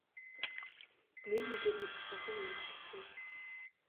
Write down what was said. Нэг нэгээр нь асгадаг юм гэцгээв.